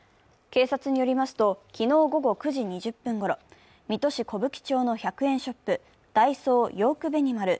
警察によりますと、昨日午後９時２０分ごろ、水戸市小吹町の１００円ショップ、ダイソーヨークベニマル